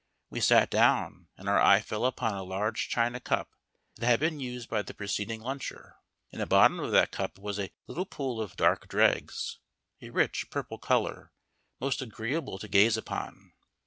We sat down and our eye fell upon a large china cup that had been used by the preceding luncher. In the bottom of that cup was a little pool of dark dregs, a rich purple colour, most agreeable to gaze upon.